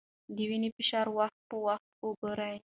د وینې فشار وخت په وخت وګورئ.